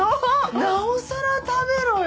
なおさら食べろよ！